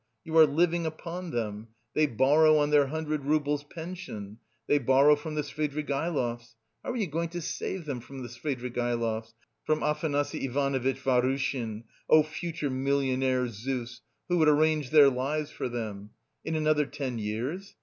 You are living upon them. They borrow on their hundred roubles pension. They borrow from the Svidrigaïlovs. How are you going to save them from Svidrigaïlovs, from Afanasy Ivanovitch Vahrushin, oh, future millionaire Zeus who would arrange their lives for them? In another ten years?